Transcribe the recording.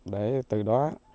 để từ đó